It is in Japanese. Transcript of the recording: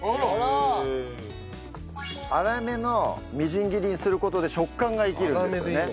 粗めのみじん切りにする事で食感が生きるんですよね。